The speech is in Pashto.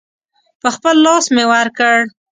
په خپل لاس مې ورکړ.